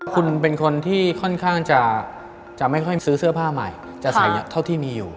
คุณเป็นคนที่ค่อนข้างจะไม่ค่อยซื้อเสื้อผ้าใหม่จะใส่เยอะเท่าที่มีอยู่